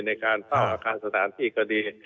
ในการเฝ้าอาคารสถานที่ก็ดี